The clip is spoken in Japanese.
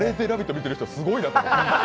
見てる人すごいなと思って。